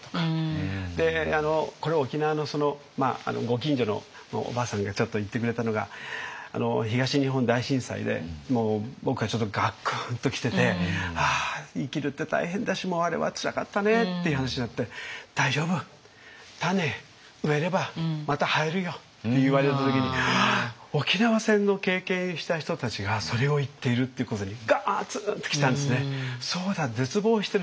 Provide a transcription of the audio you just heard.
これ沖縄のご近所のおばあさんがちょっと言ってくれたのが東日本大震災で僕はちょっとガクーンと来てて「ああ生きるって大変だしもうあれはつらかったね」っていう話になって「大丈夫。種植えればまた生えるよ」って言われた時にああ沖縄戦の経験した人たちがそれを言っているっていうことにガツーンと来たんですね。